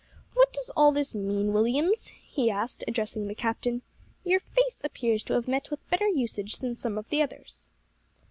What does all this mean, Williams?" he asked, addressing the captain; "your face appears to have met with better usage than some of the others."